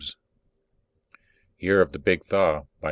_ year of the big thaw _by